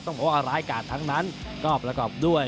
ต้องพบว่ารายการทั้งนั้นกรอบและกรอบด้วย